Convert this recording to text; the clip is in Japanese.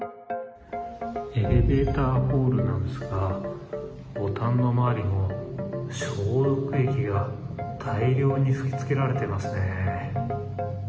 エレベーターホールなんですが、ボタンの周りも消毒液が大量に噴きつけられていますね。